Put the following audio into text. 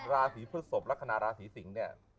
ราศีพฤศพลักษณะราศีสิงศ์เนี่ย